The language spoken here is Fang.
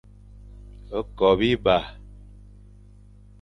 Ko biba.